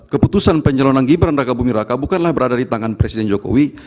keputusan pencalonan gibran raka buming raka bukanlah berada di tangan presiden jokowi